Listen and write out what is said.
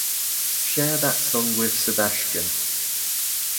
Share that song with Sebastian.